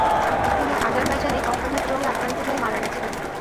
তিনি আজারবাইজানে পক্ষাঘাত রোগে আক্রান্ত হয়ে মারা গেছেন।